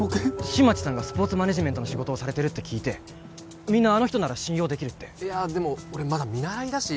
新町さんがスポーツマネージメントの仕事をされてるって聞いてみんなあの人なら信用できるっていやでも俺まだ見習いだし